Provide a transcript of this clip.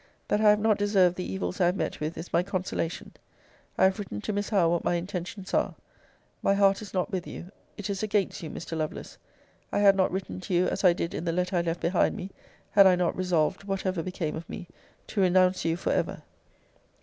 That I have not deserved the evils I have met with is my consolation; I have written to Miss Howe what my intentions are. My heart is not with you it is against you, Mr. Lovelace. I had not written to you as I did in the letter I left behind me, had I not resolved, whatever became of me, to renounce you for ever.